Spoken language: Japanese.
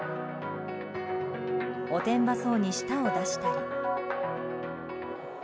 おてんばそうに舌を出したり。